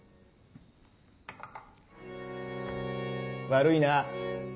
悪いな。